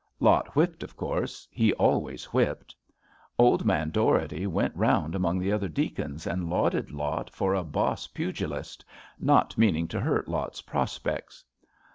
Lot whipped, of course. He always whipped. Old man Dougherty went round among the other Deacons and lauded Lot for a boss pugilist, not meaning to hurt Lot's prospects.